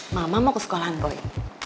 mama mau ke sekolahan boi